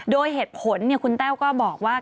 โดยเหตุผลคุณแต้วก็บอกว่า